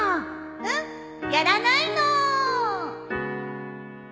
うん。やらないの